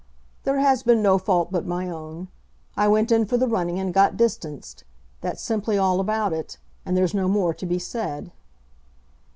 "There has been no fault but my own. I went in for the running and got distanced. That's simply all about it, and there's no more to be said."